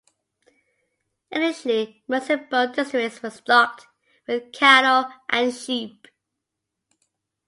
Initially runs in both districts were stocked with cattle and sheep.